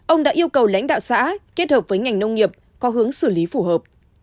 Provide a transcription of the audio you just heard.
ông đã yêu cầu lãnh đạo xã kết hợp với ngành nông nghiệp có hướng xử lý phù hợp